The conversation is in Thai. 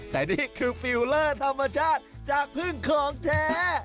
แต่นี่คือฟิลเลอร์ธรรมชาติจากพึ่งของแท้